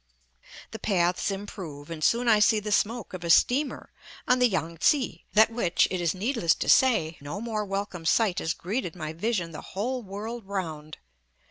The paths improve, and soon I see the smoke of a steamer on the Yang tsi than which, it is needless to say, no more welcome sight has greeted my vision the whole world round.